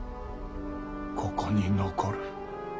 ここに残る。